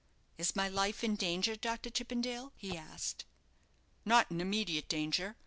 "Is my life in danger, Dr. Chippendale?" he asked. "Not in immediate danger.